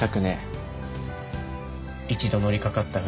一度乗りかかった船